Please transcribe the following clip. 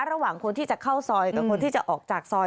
ระหว่างคนที่จะเข้าซอยกับคนที่จะออกจากซอย